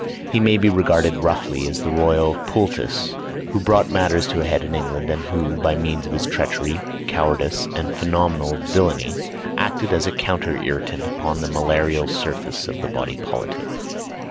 He may be regarded roughly as the royal poultice who brought matters to a head in England, and who, by means of his treachery, cowardice, and phenomenal villany, acted as a counter irritant upon the malarial surface of the body politic.